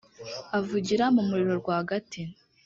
avugira mu muriro rwagati,